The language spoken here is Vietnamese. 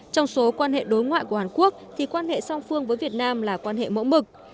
trong số quan hệ đối ngoại của hàn quốc thì quan hệ song phương với việt nam là quan hệ mẫu mực